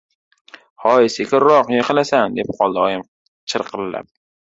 — Hoy, sekinroq, yiqilasan! — deb qoldi oyim chirqillab.